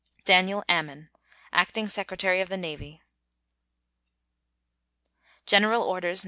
DANIEL AMMEN, Acting Secretary of the Navy. GENERAL ORDERS, No.